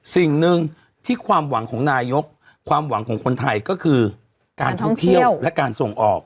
สิ่งหนึ่งที่ความหวังของนายกความหวังของคนไทยก็คือการท่องเที่ยวและการส่งออก